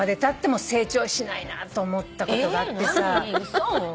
嘘！？